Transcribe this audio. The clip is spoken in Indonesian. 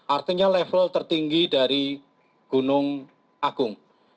artinya level tertinggi dari gunung agung